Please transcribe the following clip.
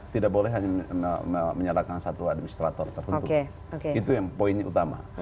tidak boleh hanya menyalahkan satu administrator tertentu itu yang poin utama